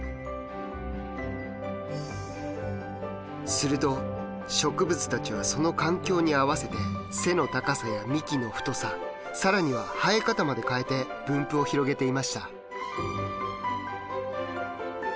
すると植物たちはその環境に合わせて背の高さや幹の太さ更には生え方まで変えて分布を広げていました。